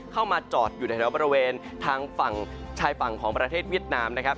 เข้ามาจอดอยู่ในแถวบริเวณทางฝั่งชายฝั่งของประเทศเวียดนามนะครับ